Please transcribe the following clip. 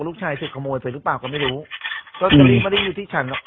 ลูกชายถูกขโมยไปหรือเปล่าก็ไม่รู้ลอตเตอรี่ไม่ได้อยู่ที่ฉันหรอก